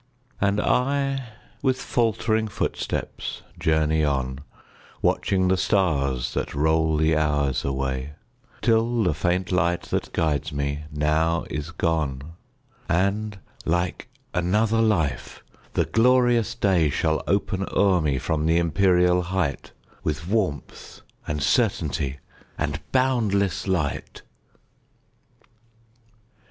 And I, with faltering footsteps, journey on, Watching the stars that roll the hours away, Till the faint light that guides me now is gone, And, like another life, the glorious day Shall open o'er me from the empyreal height, With warmth, and certainty, and boundless light.